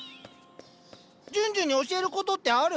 ジュンジュンに教えることってある？